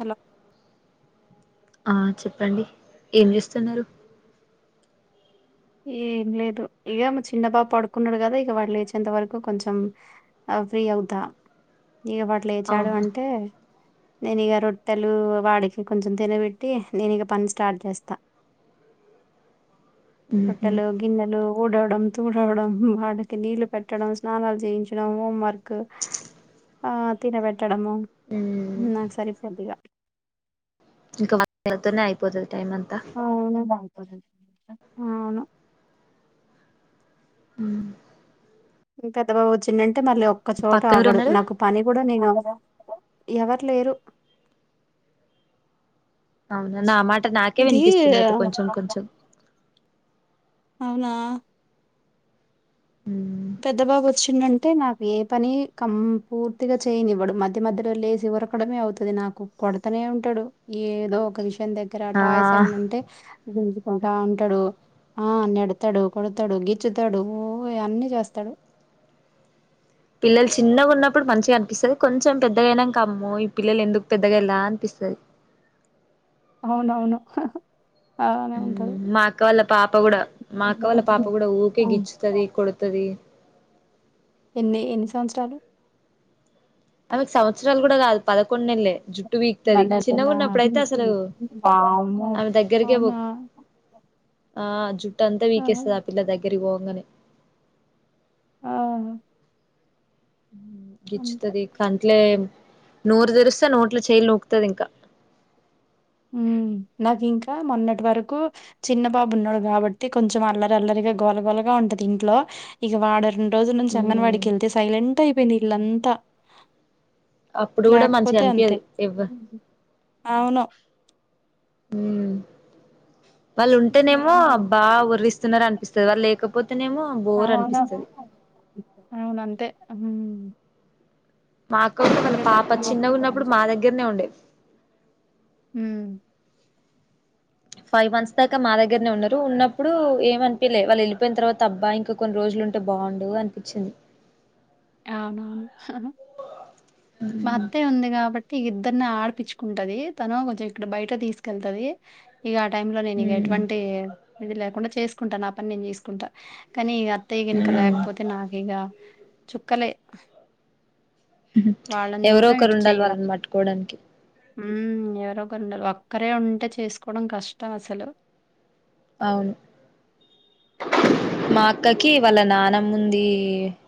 Hello హా చెప్పండి ఏం చేస్తున్నారు. ఏం లేదు ఇక చిన్న బాబు పడుకున్నాడు కదా ఇక వాడు లేచేంత వరకు కొంచెం ఆ ఫ్రీ అవుతా ఇక వాట్లు లేచాడు ఆహా అంటే నేను ఇక రొట్టెలు వాడికి కొంచెం తినబెట్టి నేను ఇక పని స్టార్ట్ చేస్తా ఊహూ రొట్టెలు గిన్నెలు ఊడవడం తూడవడం వాళ్ళకి నీళ్లు పెట్టడం స్నానాలు చేయించడం హోం వర్క్ ఆ తిన పెట్టడము మ్మ్ నాకు సరి పోయితిగా ఇంకా వానితోనే అయిపోతది టైమ్ అంతా అవును దానితోనే అవును హ పెద్ద బాబు వచ్చిందంటే మళ్ళీ ఒక్కచోట పక్కన ఆగడు ఎవరున్నారు నాకు పని కూడా నేను అవదా ఎవరు లేరు అవునా నా మాట నాకే ఇది వినిపిస్తుంది అయితే కొంచెం కొంచెం అవునా మ్మ్ పెద్ద బాబు వచ్చిందం అంటే నాకు ఏ పని కం పూర్తిగా చేయనివ్వడు మధ్య మధ్యలోలేసి ఉరకడమే అవుతది నాకు కొడతనే ఉంటాడు ఏదో ఒక విషయం దగ్గర ఆ టాయ్స్ ఏమైన్నా ఉంటే గిల్లుతాడు ఆ అంటాడు ఆ నెడతాడు కొడతాడు గిచ్చుతాడు ఊ అన్నీ చేస్త స్తాడు పిల్లలు చిన్నగా ఉన్నప్పుడు మంచిగా అనిపిస్తది. కొంచెం పెద్దగైనాం కమ్మో ఈ పిల్లలు ఎందుకు పెద్దయ్యేలా అనిపిస్తది. అవునవును అలానే ఉంటది. మ్మ్ మా అక్క వాళ్ళ పాప కూడా మా అక్క వాళ్ళ పాప కూడా ఊకే గిచ్చుతది కొడుతది ఎన్ని ఎన్ని సంవత్సరాలు. ఆమెకు సంవత్సరాలు కూడా కాదు. పదకొండు నెలలే జుట్టు పీకుతది నెలలా చిన్నగున్నప్పుడైతే అసలు వామ్మో ఆమె దగ్గ అవునా ఆ జుట్టు అంతా పీకేస్తది ఆ పిల్ల దగ్గరికి పోంగానే ఆ అంతే గిచ్చుతది కంట్లే నోరు తెరిస్తే నోట్ల చేయలు నూకుతది ఇంకా ఉ నాకు ఇంకా మొన్నటి వరకు చిన్న బాబు ఉన్నాడు కాబట్టి కొంచెం అల్లరి అల్లరిగా గోలగోలగా ఉంటది ఇంట్లో ఇక వాడు రెండు రోజుల నుంచి మ్మ్ అంగన్వాడికి వెళ్తే సైలెంట్ అయిపోయింది ఇళ్లంతా అప్పుడు కూడా మంచిగా లేకపోతే అంతే అనిపియదు ఎవ్వ అవును హ్మ్ వాళ్ళు ఉంటేనేమో బా వర్రిస్తున్నారు అనిపిస్తది వాళ్ళు లేకపోతేనేమో బోరు అవును. అనిపిస్తది అవునంతే హ్మ్ మాఅక్క ఉంటే వాళ్ళ ఇక పాప తప్పదు. చిన్నగా ఉన్నప్పుడు మా దగ్గరనే ఉండేది హ్మ్ ఫైవ్ మంత్స్ దాకా మా దగ్గరనే ఉన్నారు ఉన్నప్పుడు ఏమనిపిలే వాళ్ళు వెళ్ళపోయిన తర్వాత అబ్బా ఇంక కొన్ని రోజులు ఉంటే బాగుండు అనిపించింది. అవునవును. మా మ్మ్ అత్తయ్య ఉంది కాబట్టి ఇద్దరిని ఆడిపిచ్చు ఉంటది తను కొంచెం ఇక్కడ బయట తీసుకెళ్తది ఇక ఆ టై లో నేను ఇక మ్మ్ ఎటువంటి ఇది లేకుండా చేసుకుంటాను నా పని నేను చేసుకుంటాను కానీ ఇక అత్తయ్యగనుక మ్మ్ లేకపోతే నాకు ఇగ చుక్కలే వాళ్లను ఎవరో చూడడం ఒకరు ఇటు ఉండాలి చెయడం వాళ్ళని పట్టుకోవడానికి ఉ ఎవరో ఒక ఉండాలి ఒక్కరే ఉంటే చేసుకోవడం కష్టం అసలు అవును మా అక్కకి వాళ్ళ నానమ్మ ఉంది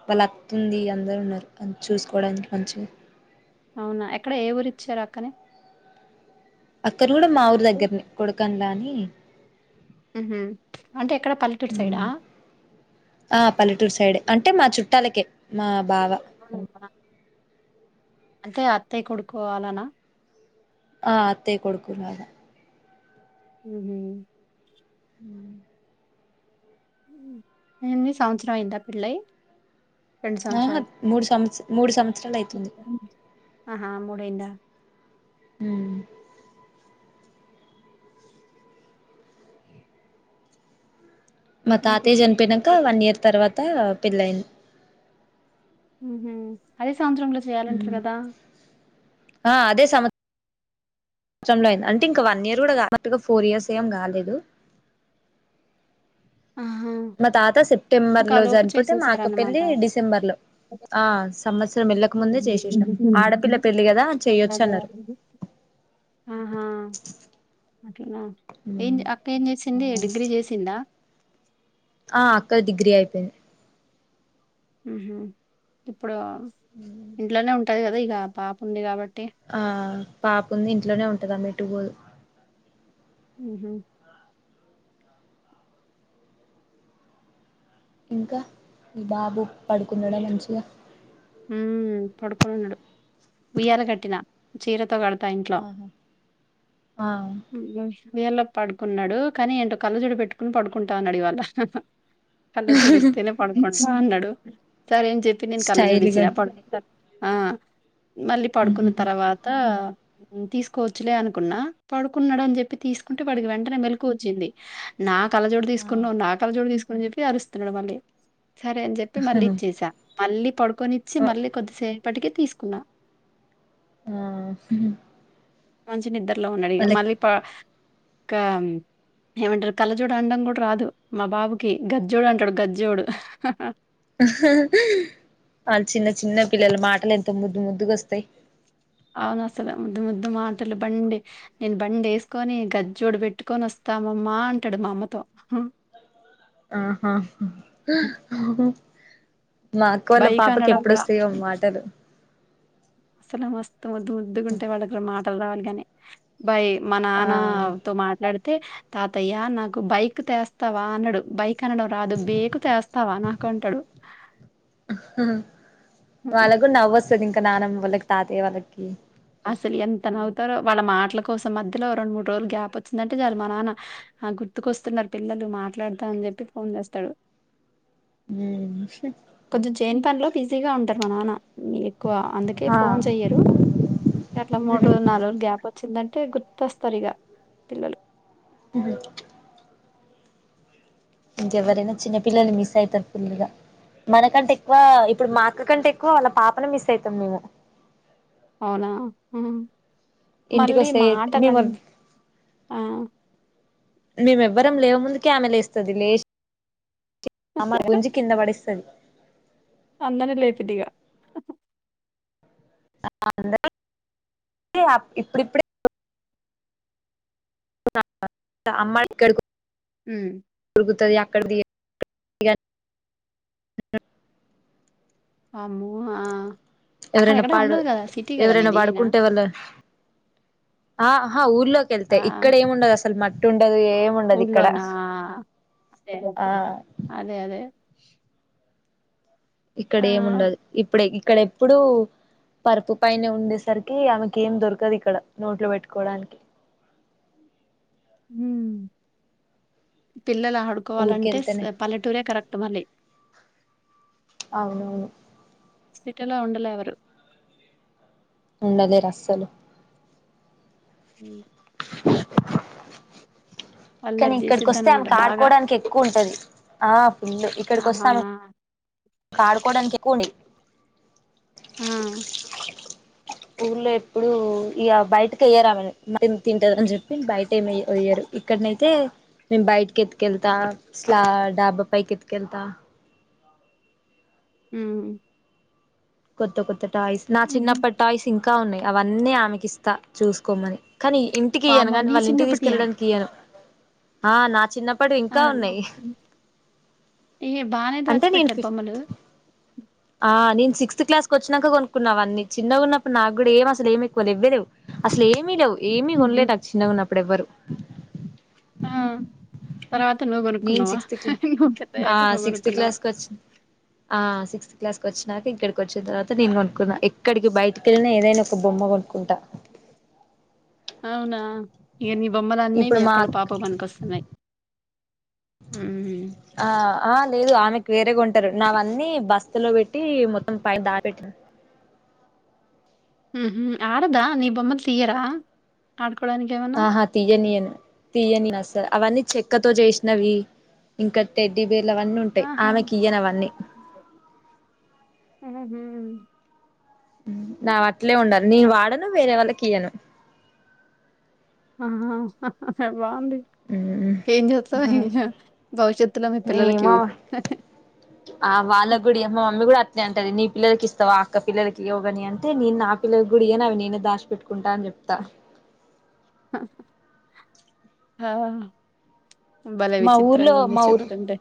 వాళ్ళ అత్త ఉంది అందరు ఉన్నారు తనను చూసుకోవడానికి మంచిగా అవునా ఎక్కడ ఎ ఊరిచ్చారు అక్కనీ అక్క ని కూడా మా ఊరి దగ్గరని కొడకన్లా అని అంటే ఎక్కడ పల్లెటూరు సైడా ఆ పల్లెటూరు సైడె అంటే మా చుట్టాలకే మా బావ అవును అంటే అత్తయ్య కొడుకు ఆలనా ఆ అత్తయ్య కొడుకు లాగా ఉహు ఉ ఎన్ని సంవత్సరం అయిందా పెళ్ళై ఆహా సంవత్సరాలు మూడు సంవత్స మూడు సంవత్సరాలు అయితుంది అయి ఆహా మూడేళ్ళ ఉ మా తాతయ్య ఇంకేంటి? చనిపోయక వన్ ఇయర్ తర్వాత పెళ్ళయింది ఉ అదే సంవత్సరాంలో చేయాలంటారు కదా అదే సంవత్సరంలో అయింది అంటే ఇంకా వన్ ఇయర్ కూడా కాలేదు మా అక్కకి ఫోర్ ఇయర్స్ ఏం కాలేదు ఆ మా తాత సెప్టెంబర్ లో చనిపోతే మా అక్క చేసేసారన్నమాట. పెళ్లి డిసెంబర్ లో ఆ సంవత్సరం వెళ్ళకముందే చేసేసినాం ఆడపిల్ల హుహు. పెళ్లి కదా చెయొచ్చు అట్లాగే. అన్నారు ఆహా అట్లన ఏం చేసి అక్క ఏం చేసింది డిగ్రీ చేసిందా ఆ అక్కది డిగ్రీ అయిపోయింది ఉహు ఇప్పుడు ఇంట్లోనే ఉంటది కదా ఇగ పాప ఉంది కాబట్టి ఆ పాప ఉంది ఇంట్లోనే ఉంటది ఆమె ఎటు పోదు ఉహు ఇంకా మీ బాబు పడుకున్నాడా మంచిగా ఉ పడుకునన్నాడు ఉయ్యాల కట్టినా చీరతో కడతా ఇంట్లో ఆ వీర్ల పడుకున్నాడు కానీ ఏంటో కళ్ళజోడు పెట్టుకుని పడుకుంటా అన్నాడు ఇవాళ కళ్ళ జోడిస్తేనే పడుకుంటా అన్నాడు సరేని చెప్పి నేను కళ్ళ జోడ్స్తే స్టైల్గా ఆ మళ్ళీ పడుకున్న తర్వాత తీసుకోవచ్చులే అనుకున్నా పడుకున్నాడు అని చెప్పి తీసుకుంటే వాడికి వెంటనే మెలుకువా వచ్చింది నాక్ కళ్ళజోడు ఆ తీసుకున్నా నా కళ్ళజోడు తీసుకుని చెప్పి అరుస్తున్నాడు మళ్ళీ సరే అని చెప్పి మళ్ళీ ఇచ్చేసా మళ్ళీ పడుకొనిచ్చి మళ్ళీ కొద్దిసేపటికే తీసుకున్నా ఆ హుహు మంచి నిద్రలో ఉన్నాడు ఇగ మళ్ళీ పా క్క ఏమంటారు కళ్ళజోడు అనడం కూడా రాదు మా బాబుకి గజ్జోడు అంటాడు గజ్జోడు హ వాళ్ళ చిన్న చిన్న పిల్లల మాటలు ఎంతో ముద్దు ముద్దుగా వస్తాయి అవును అసలు ముద్దు ముద్దు మాటలు బండి నేను బండి ఏసుకొని గజ్జోడు పెట్టుకొని వస్తా అమ్మమ్మ అంటాడు మా అమ్మతో ఆహా మా అక్క వాళ్ళ బైక్ పాపకి అనడం ఎప్పుడు రా. వస్తాయో మాటలు అసలు మస్తు ముద్దు ముద్దుగ ఉంటయీ వాళ్ళకి మాటలు రావాలి గాని బై మా ఆ నాన్నతో మాట్లాడు తె తాతయ్య నాకు బైక్ తెస్తావా అన్నాడు బైక్ కనడం రాదు బేకు తెస్తావా నాకు అంటాడు హ హ హ్మ్. వాళ్ళగ్ సది ఇంకా నాన్నమ్మ వాళ్ళకి తాతయ్యా వాళ్ళకి అసలు ఎంత నవ్వుతారో వాళ్ళ మాటల కోసం మధ్యలో రెండు మూడు రోజులు గ్యాప్ వచ్చిందంటే చాలు మా నాన్న ఆ గుర్తుకొస్తున్నారు పిల్లలు మాట్లాడతా అని చెప్పి ఫోన్ చేస్తాడు ఉ కొంచెం చెని పనిలో బిజీగా ఉంటారు మా నాన్న ఎక్కువ అందుకే ఆ ఫోన్ చెయ్యరు అట్లా మూడు రోజులు నాలుగు రోజులు గ్యాప్ వచ్చిందంటే గుర్తొస్తారు ఇగా పిల్లలు బ ఇంకెవరైనా ఉహు చిన్న పిల్లలు మిస్ అయితారు ఫుల్ గా మనకంటే ఎక్కువ ఇప్పుడు మా అక్క కంటే ఎక్కువ వాళ్ళ పాపను మిస్ అయితాం మేము అవునా ఇంటికి మళ్ళీ వస్తే మాటల మేము ఆన్ ఆ మేము ఎవ్వరం లేవ ముందుకి ఆమె లేస్తది లేచ మమ్మ గుంజి కింద పడేస్తది అందరీని లేపిద్ది ఇగ అందరు ఇగ ఇప్పుడిప్పుడే అమ్మాయి ఇక్కడకి ఉ తిరుగుతాది అక్కడ ది ఆ భూమి ఆ అక్కడ ఎవరైనా ఎక్కడ పాడు ఉండదు కదా సిటీ కదా ఎవరైనా మీదినా పడుకుంటే వాళ్ళ ఆ హా ఊర్లోకి ఆ వెళ్తే ఇక్కడ ఏమి ఉండదు అసలు మట్టి ఉండదు ఏం ఊర్లోనా ఆ అదే అదే ఇక్కడ ఆ ఏమి ఉండదు ఇప్పుడే ఇక్కడ ఏప్పుడు పరుపు పైనే ఉండేసరికి ఆమెకి ఏం దొరకదు ఇక్కడ నోట్లో పెట్టుకోవడానికి ఉ పిల్లలు ఆడుకోవాలంటే ఊరికెళ్తేనే పల్లెటూరే కరెక్ట్ మళ్ళీ అవునవును సిటీలో ఉండలే ఎవరు ఉండలేరు అస్సలు ఉ కానీ అల్లరి ఇక్కడికి వస్తే చేసిద్దనమాట ఆమెకు బాగా ఆడుకోవడానికి ఎక్కువ ఉంటది ఆ ఫుల్ ఇక్కడికి ఆహా! వస్తె ఆమెకు ఆడుకోడానికి ఎక్కువ ఉండే ఆ ఊళ్లో ఎప్పుడుూ ఇగా బయటకి ఏయ్యారు ఆమెని మం తింటాది అని చెప్పి బయట ఏమీ ఏయ్యారు ఇక్కడనైతే మేం బయటికి ఎత్తుకెళ్తా స్ల డాబ పైకి ఎత్తుకెళ్తా ఉ కొత్త కొత్త టాయ్స్ నా హుహు. చిన్నప్పటి టాయ్స్ ఇంకా ఉన్నాయి అవన్నీ ఆమెకి ఇస్తా చూసుకోమని కానీ ఇంటికి ఇయ్యాను వామ్మో! కానీ నీ వాళ్ళ ఇంటికి చిన్నప్పటియా? తీసుకెళ్ళడానికి ఇయ్యాను ఆ నా చిన్న ఆ ఏ బాగానేది అంటే నేను వచ్చిపెట్టారు ఫిఫ్త్ బొమ్మలు ఆ నేను సిక్స్త్ క్లాస్ క వచ్చాక కొనుక్కున్నావ అన్నీ చిన్నగా ఉన్నప్పుడు నాకు కూడా ఏమ అసలు ఏమి ఎక్కువ ద ఇవ్వలేవు అసలు ఏమీ లేవు ఏమీ కొనలేదు నాకు చిన్నగా ఉన్నప్పుడు ఎవ్వరు ఆ తర్వాత నువ్వు నేను కొనుక్కున్నావా సిక్స్త్ క్లా ఇ పెత్త ఆ అయ్యాక నువ్వు సిక్స్త్ కొనుక్కున్నావా క్లాస్ కి వచ్చి ఆ సిక్స్ క్లాస్కి వచ్చినాక ఇక్కడికి వచ్చిన తర్వాత నేను కొనుక్కున్నాను ఎక్కడికి బయటికిళ్ళిన ఏదైనా ఒక బొమ్మ కొనుక్ంటా అవునా ఇక నీ బొమ్మలన్నీ నీ ఇప్పుడు అక్క మా వాళ్ళ పాప పనికొస్తున్నాయి ఆ ఆ లేదు ఆమెకు వేరేగా ఉంటారు నావన్నీ బస్తలో పెట్టి మొత్తం పైన దాటి పెట్టి ఉహు ఆడదా నీ బమ్మలు తీయరా ఆడకోడనినికివనా తీయ్యనియని తీయ్యని అసార్ అవన్నీ చెక్కతో చేసినవి ఇంకా టెడ్డి బేర్లు అవన్నీ ఉంటాయి ఆహా! ఆమెకి ఇయనవన్నీ ఆహు నా అట్లే ఉండాలి నేను వాడను వేరే వాళ్ళకి ఇయ్వను ఆహ్ బాగుంది ఏం చేస్త భవిష్యత్తుల పిల్లలుకివ ఏమో ఆ వాళ్ళ గుడి మా మమ్మీ కూడా అతనే అంటది నీ పిల్లకి ఇస్తవా అక్క పిల్లలకి యోగని అంటేను నాకు పిల్ల గుడి అని అ నేనే దాచి పెట్టుకుంటా అని చెప్తా ఆ బాలే మా ఊర్లో విచిత్రంగా ఉంది మా ఊరు చెప్తుంటే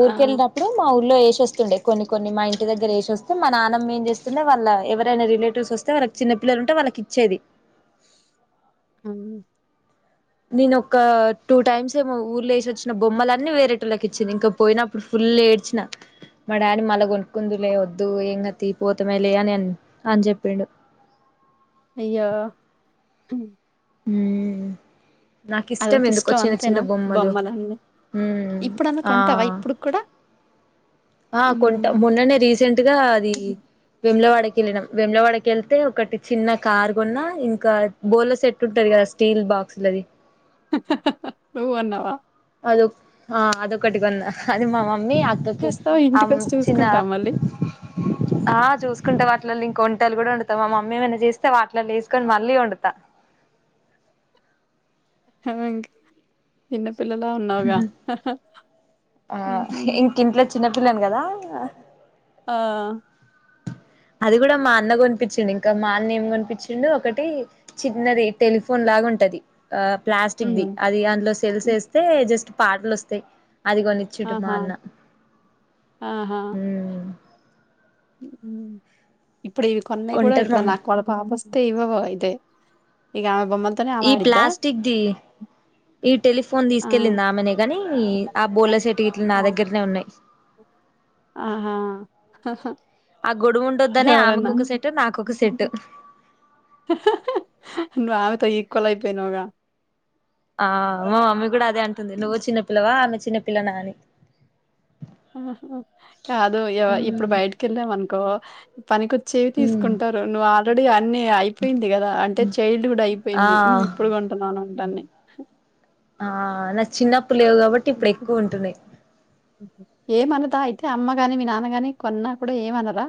ఆ ఇప్పుడు మా ఊళ్ళలో వే వస్తుండే కొన్ని కొన్ని మా ఇంటి దగ్గర వేసి వస్తే మా నాన్నమ్ ఏం చేస్తుే వాళ్ళ ఎవరైనా రిలేటివ్స్ వస్తే వాళకి చిన్న పల్లలు ఉంట వాళ్ళకి ఇచ్చేది అ నేను ఒక టూ టైమ్స్ ఏమో ఊర్లో వేసి వచ్చిన బొమ్మలన్నీ వేరేటలోకి ఇచ్చింది ఇంక పోయిన ఇప్పుడు ఫుల్ ఏడ్చిన మా డాడ మళ్ళ కొనుక్కుందు లే వద్దు ఏం తీపోతామే లే అని అని చెప్పిండు అయ్యా ఉ నాకు ఇష్టం అదొక ఎందుకో చిన్న చిన్న అంతేనా బొమ్మలు బొమ్మలన్నీ ఉమ్ ఇప్పుడన్నా ఆ కొంటావా ఇప్పుడు కూడా ఆ ఉహు కొంట మొన్ననే రీసెంట్గా అది విములవాడకి వెళ్ళినాం విములవాడకి వెళ్తే ఒకటి చిన్న కార్ కొన్నా ఇంకా బోర్ల సెట్టు ఉంటంది కదా స్టీల్ బాక్సులది నువ్వు కున్నావా అద ఆ అదొకటికింద అది మా మమ్మీ అక్కకి చేస్తావు ఆ ఇంటిక వచ్చి చిన్న చూసుకుంటాం మళ్ళీ ఆ చూసుకుంటే వాలలో ఇంక వంటలు కూడా వంతాం మా మమ్మీ ఏమైనా చేస్తే వాలలో వేసుకొని మళ్ళీ వండు అ ఇంకా చిన్న పిల్లలా ఉన్నాగా ఆ ఇంకింట్లో చిన్న పిల్లను కదా ఆ అది కూడా మా అన్న కనిపించింంది ఇంకా మా అన్న ఏం కనిపించిండు ఒకటి చిన్నది టెలిఫోన్ లాగా ఉంటది ఆ ప్లాస్టిక్ ది ఉమ్ అది అందులో సెల్స్ ఏస్తే జస్ట్ పాటలు వస్తాయి అది కొని ఆహా చ్చిటుమాన్న వ్మ్ వ్మ్ ఇప్పుడు ఇవి కొన్నాయి కూడా కొంటారు మామ ఇప్పుడన్న అక్క వాళ్ వాపస్తే ఇవవ్వు అయితే ఇగ ఆమె బొమ్మ ఈ ప్లాస్టిక్దిి ఈ టెలిఫోన్ తీసుకెళ్లింది ఆమెనే గాని ఆ బొల్లాసెట్టు గిట్ల నా ఆ దగ్గరనే ఉన్నాయి. ఆహా హ హ ఆ గొడువ ఉండొద్దని ఆమెకొక సెట్ నాకొక సెట్టు నువ్వు ఆమెతో ఈక్వల్ అయిపోయినావుగా ఆ మా మమ్మీ కూడా అదే అంటుంది నువ్వు చిన్నపిల్లవా అన్న చిన్నపిల్లనా అని ఆహ కాదు య ఇప్పుడు ఉమ్ బయటకి వెళ్ళాం అనుకో పనికొచ్చేవి ఉమ్ తీసుకుంటారు. నువ్వు ఆల్రెడీ అన్ని అయిపోయింది కదా అంటే చైల్డ్ హుడ్ అయిపోయింది. నువ్వు ఆ ఇప్పుడు కొ టున్నాను ఉంటాన్ని ఆ నాకు చిన్నప్పుడు లేవు కాబట్టి ఇప్పుడు ఎక్కువ ఉంటున్నాయి. ఏమనదా అయితే అమ్మ గాని మీ నాన్న గాని కొన్నా కూడా ఏమనరా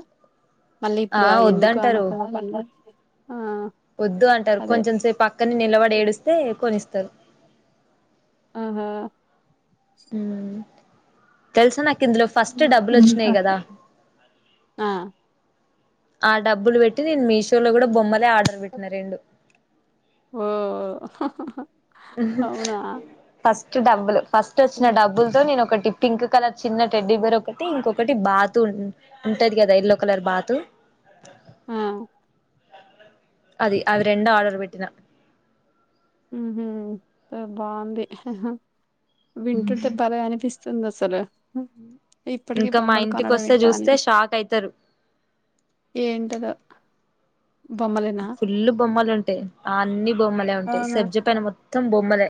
మళ్ళీ ఇప్పుడు ఆ ఎందుకు అనవసరంగా లండా ఆ వద్దు అంటారు అదే. కొంచెం సేపు అక్కన్నే నిలబడి ఏడిస్తే కొనిస్తారు ఆహా వ్మ్ తెలుసా నాకు ఇందులో ఫస్ట్ డబ్బులు వచ్చినాయి కదా ఆ! ఆ డబ్బులు పెట్టి నేను మీషో లో కూడా బొమ్మలే ఆర్డర్ పెట్టిన రెండు ఓ ఫస్ట్ డబ్బులు ఫస్ట్ వచ్చిన డబ్బులతో నేను ఒకటి పింక్ కలర్ చిన్న టెడ్డీ బేరు ఒకటి ఇంకొకటి బాతు ఉంటది కదా యల్లో కలర్ బాతు ఆ అది అవి రెండు ఆర్డర్ పెట్టిన ఉహుమ్ బాగుంది వింటుంటే బలే అనిపిస్ సుంద అసలు ఇప్పటికీ ఇంకా మా బొమ్మలు ఇంటికి కొనడం వస్తే ఏంటా అని చూస్తే షాక్ అయితారు ఏంటోగా ఫుల్ల్ బొమ్మలు ఉంటాయి అన్ని బొమ్మలే ఉంటాయి అవును సజ్జ పైన మొత్తం బొమ్మలే